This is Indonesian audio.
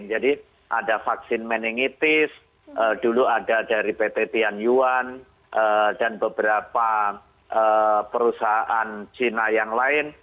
jadi ada vaksin meningitis dulu ada dari pt tianyuan dan beberapa perusahaan china yang lain